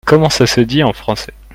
Comment ça se dit en français ?